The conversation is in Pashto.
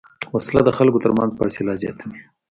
وسله د خلکو تر منځ فاصله زیاتوي